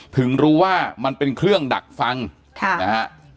ถึงรู้ว่ามันเป็นเครื่องดักฟังค่ะนะฮะ